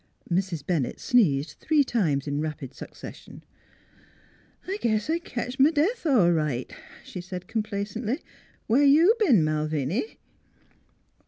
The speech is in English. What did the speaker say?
Mrs. Bennett sneezed three times in rapid suc cession. " I guess I ketched m' death all right," she said complacently. "Where you b'en, Malviny?"